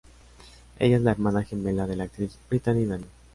Ella es la hermana gemela de la actriz Brittany Daniel.